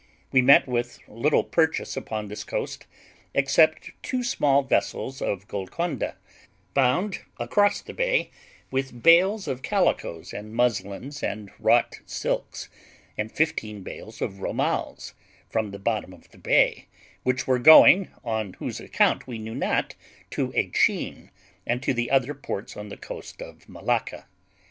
We met with little purchase upon this coast, except two small vessels of Golconda, bound across the bay with bales of calicoes and muslins and wrought silks, and fifteen bales of romals, from the bottom of the bay, which were going, on whose account we knew not, to Acheen, and to other ports on the coast of Malacca.